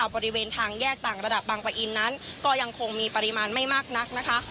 บริเวณทางแยกต่างระดับบางปะอินนั้นก็ยังคงมีปริมาณไม่มากนักนะคะ